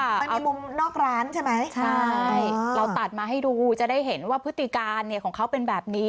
มันมีมุมนอกร้านใช่ไหมใช่เราตัดมาให้ดูจะได้เห็นว่าพฤติการของเขาเป็นแบบนี้